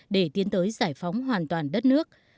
để tiến tới giải phóng hoàn toàn đất nước